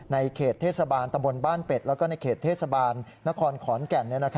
ในเขตเทศบาลตำบลบ้านเป็ดแล้วก็ในเขตเทศบาลนครขอนแก่น